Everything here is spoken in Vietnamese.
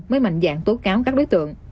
mới mạnh dạng tố cáo các đối tượng